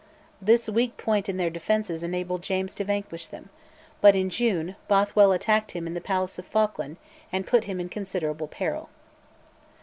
This weak point in their defences enabled James to vanquish them, but, in June, Bothwell attacked him in the Palace of Falkland and put him in considerable peril.